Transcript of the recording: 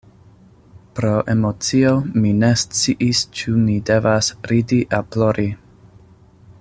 Pro emocio, mi ne sciis ĉu mi devas ridi aŭ plori...